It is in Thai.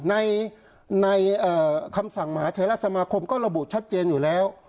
ในคำสั่งมหาเทราสมาคมก็ระบุชัดเจนอยู่แล้ว